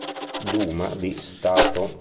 Duma di Stato